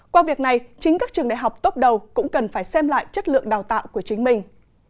qua việc này chính các trường đại học tốt đầu cũng cần phải xem lại chất lượng đào tạo của chính mình